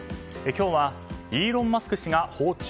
今日はイーロン・マスク氏が訪中。